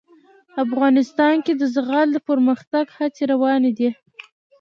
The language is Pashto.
افغانستان کې د زغال د پرمختګ هڅې روانې دي.